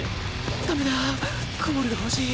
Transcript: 駄目だあゴールが欲しい。